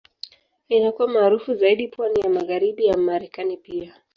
Inakuwa maarufu zaidi pwani ya Magharibi ya Marekani pia.